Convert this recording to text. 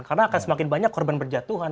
karena akan semakin banyak korban berjatuhan